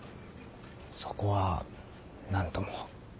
そこは何とも。